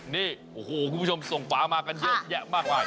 นี่โอ้โหคุณผู้ชมส่งฝามากันเยอะแยะมากมาย